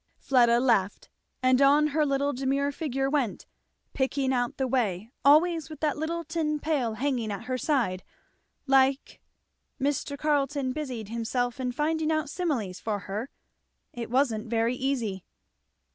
Fleda laughed, and on her little demure figure went picking out the way always with that little tin pail hanging at her side, like Mr. Carleton busied himself in finding out similes for her. It wasn't very easy.